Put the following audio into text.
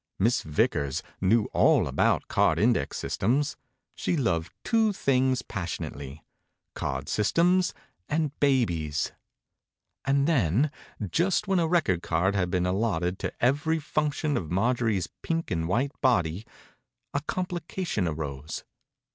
Miss Vick ers knew all about card index 36 THE INCUBATOR BABY systems. She loved two things passionately ^— card systems and babies. And then, just when a record card had been allotted to every function of Marjorie's pink and white body, a complication arose.